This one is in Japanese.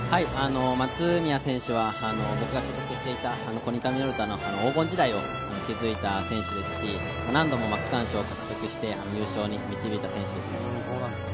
松宮選手は僕が所属していたコニカミノルタの黄金時代を築いた選手ですし何度も区間賞を獲得して優勝に導いた選手ですね。